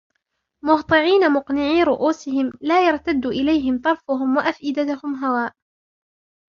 مهطعين مقنعي رءوسهم لا يرتد إليهم طرفهم وأفئدتهم هواء